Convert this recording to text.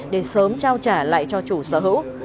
để sớm trao trả lại cho chủ sở hữu